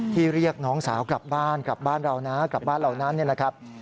ที่เรียกน้องสาวกลับบ้านกลับบ้านเรานะกลับบ้านเหล่านั้นเนี่ยนะครับ